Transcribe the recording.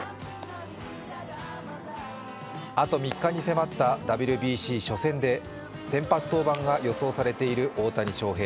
あと３日に迫ったＷＢＣ初戦で、先発登板が予想されている大谷翔平。